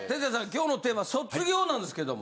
今日のテーマ卒業なんですけども。